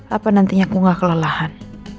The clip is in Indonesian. apa nantinya aku gak kelelahan